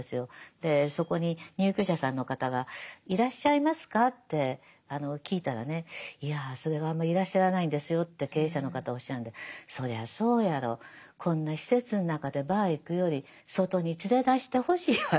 でそこに入居者さんの方がいらっしゃいますか？って聞いたらねいやそれがあんまりいらっしゃらないんですよって経営者の方おっしゃるんでそりゃそうやろこんな施設の中でバー行くより外に連れ出してほしいわって。